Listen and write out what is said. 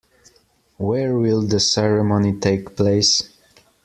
Where will the ceremony take place?